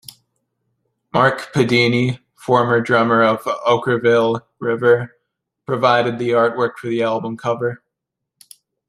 Mark Pedini, former drummer of Okkervil River, provided the artwork for the album cover.